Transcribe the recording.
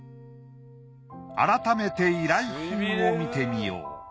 改めて依頼品を見てみよう。